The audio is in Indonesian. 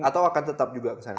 atau akan tetap juga ke sana